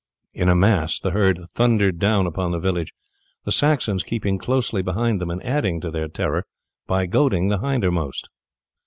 In a mass the herd thundered down upon the village, the Saxons keeping closely behind them and adding to their terror by goading the hindermost.